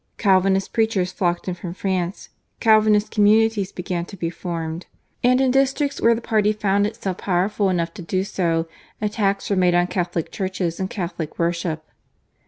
Calvinist preachers flocked in from France; Calvinist communities began to be formed; and in districts where the party found itself powerful enough to do so, attacks were made on Catholic churches and Catholic worship.